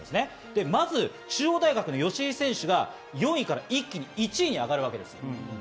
まず中央大学・吉居選手が４位から一気に１位に上がります。